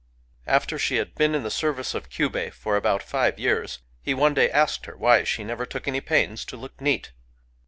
After she had been in the service of Kyubei for about five years, he one day asked her why she never took any pains to look neat.